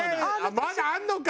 まだあるのか！